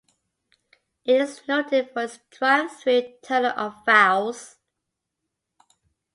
It is noted for its "Drive-Thru Tunnel of Vows".